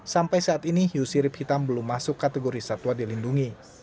sampai saat ini hiu sirip hitam belum masuk kategori satwa dilindungi